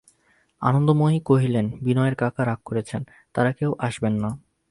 আনন্দময়ী কহিলেন, বিনয়ের কাকা রাগ করেছেন, তাঁরা কেউ আসবেন না।